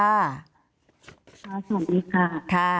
สวัสดีค่ะ